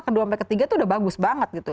kedua sampai ketiga itu udah bagus banget gitu